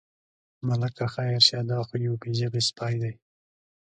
ملکه خیر شه، دا خو یو بې ژبې سپی دی.